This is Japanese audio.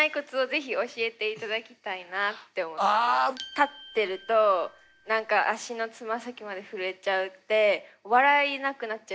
立ってると何か足の爪先まで震えちゃって笑えなくなっちゃうんですよ。